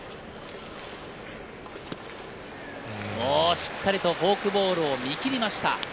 しっかりとフォークボールを見切りました。